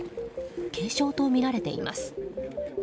軽傷とみられています。